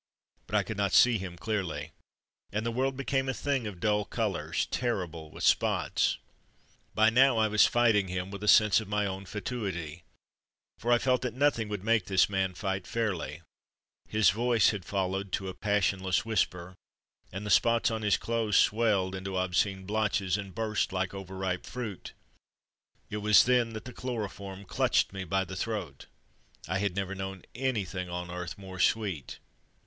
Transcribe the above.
But I could not see him clearly, and the world became a thing of dull colours, terrible with spots. HAROLD 103 By now I was fighting him with a sense of my own fatuity, for I felt that nothing would make this man fight fairly. His voice had fallen to a passionless whisper and the spots on his clothes swelled into obscene blotches and burst like over ripe fruit. It was then that the chloroform clutched me by the throat. I have never known anything on earth more sweet.